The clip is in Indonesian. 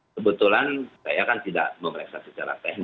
kebetulan saya kan tidak memeriksa secara teknis